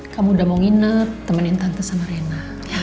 kamu udah mau nginet temenin tante sama rena